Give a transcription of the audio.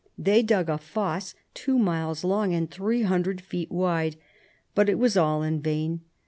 They dug a fosse two miles long and three hundred feet wide, but it was all in vain.